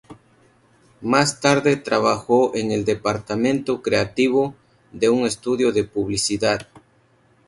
Más tarde trabajó en el departamento creativo de un estudio de publicidad.